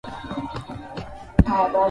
Waziri Mkuu ni Kassim Majaliwa Majaliwa